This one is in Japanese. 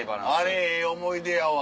あれええ思い出やわ。